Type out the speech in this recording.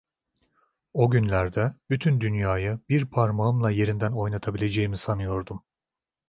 O günlerde bütün dünyayı bir parmağımla yerinden oynatabileceğimi sanıyordum.